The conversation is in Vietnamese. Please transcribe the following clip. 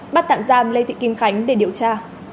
bắt tạm giam lê thị kim khánh để điều tra